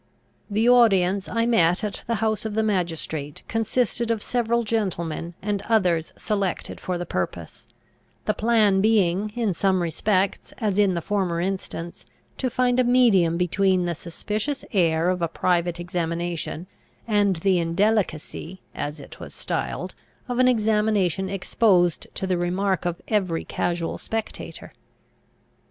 The audience I met at the house of the magistrate consisted of several gentlemen and others selected for the purpose; the plan being, in some respects, as in the former instance, to find a medium between the suspicious air of a private examination, and the indelicacy, as it was styled, of an examination exposed to the remark of every casual spectator.